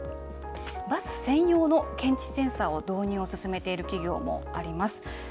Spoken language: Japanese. バス専用の検知センサーの導入を進めている企業もあります。